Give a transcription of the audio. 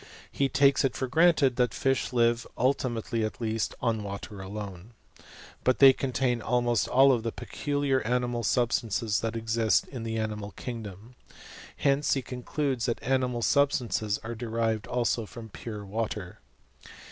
He takes it for granted that fish live (ultimately at least) on water atone ; but they contain almost all the pecidiar animal substances that exist in the animal kingdom. Hence he concludes that animal substances are derived also from pure water.